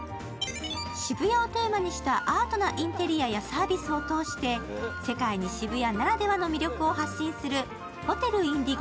渋谷をテーマにしたアートなインテリアやサービスを通して世界に、渋谷ならではの魅力を発信するホテルインディゴ